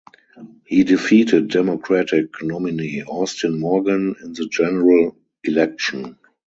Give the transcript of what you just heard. He defeated Democratic nominee Austin Morgan in the general election.